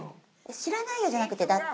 知らないよじゃなくてだって。